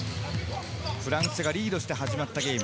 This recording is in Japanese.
フランスがリードして始まったゲーム。